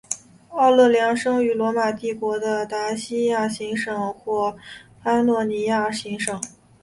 奥勒良生于罗马帝国的达西亚行省或潘诺尼亚行省。